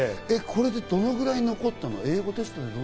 これでどのぐらい残ったの？